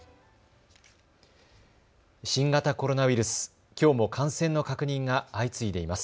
新型コロナウイルス、きょうも感染の確認が相次いでいます。